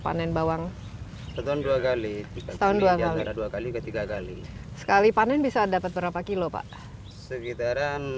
panen bawang setahun dua kali tiga tahun dua kali ketiga kali sekali panen bisa dapat berapa kilo pak sekitaran